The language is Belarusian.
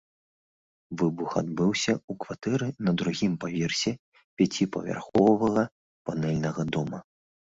Выбух адбыўся ў кватэры на другім паверсе пяціпавярховага панэльнага дома.